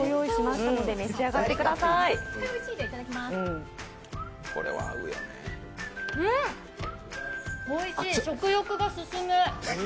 おいしい、食欲が進む。